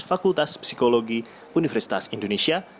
fakultas psikologi universitas indonesia